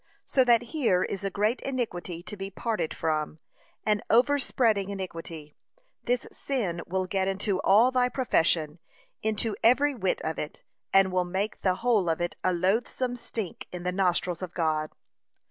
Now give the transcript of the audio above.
So that here is a great iniquity to be parted from, an over spreading iniquity. This sin will get into all thy profession, into every whit of it, and will make the whole of it a loathsome stink in the nostrils of God.